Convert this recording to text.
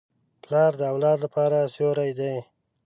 پلار د اولاد لپاره سیوری دی.